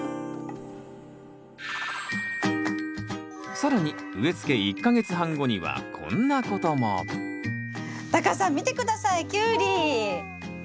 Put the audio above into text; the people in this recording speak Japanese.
更に植え付け１か月半後にはこんなこともタカさん見て下さいキュウリ！わ！